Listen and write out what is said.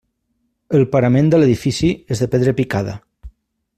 El parament de l'edifici és de pedra picada.